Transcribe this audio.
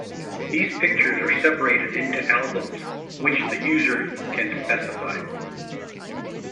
These pictures are separated into albums, which the user can specify.